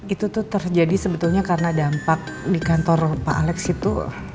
itu tuh terjadi sebetulnya karena dampak di kantor pak alex itu